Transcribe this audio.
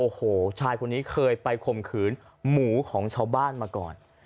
โอ้โหชายคนนี้เคยไปข่มขืนหมูของชาวบ้านมาก่อน